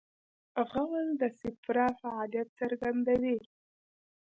غول د صفرا فعالیت څرګندوي.